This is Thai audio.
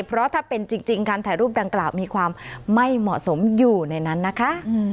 เพราะถ้าเป็นจริงการถ่ายรูปดังกล่าวมีความไม่เหมาะสมอยู่ในนั้นนะคะ